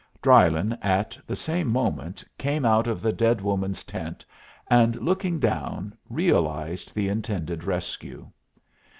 Drylyn at the same moment came out of the dead woman's tent, and, looking down, realized the intended rescue.